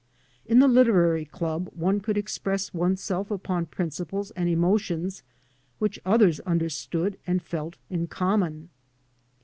In the literary club one could express one's self upon principles and emo tions which others understood and felt in common.